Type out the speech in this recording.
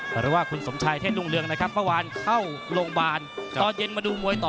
หรือว่าคุณสมชายเทศรุ่งเรืองนะครับเมื่อวานเข้าโรงพยาบาลตอนเย็นมาดูมวยต่อ